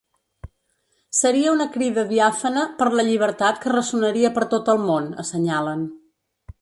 “Seria una crida diàfana per la llibertat que ressonaria per tot el món”, assenyalen.